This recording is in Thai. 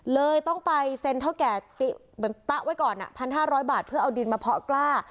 เลยต้องไปเซ็นเท่าแก่เหมือนตะไว้ก่อน๑๕๐๐บาทเพื่อเอาดินมาเพาะกล้า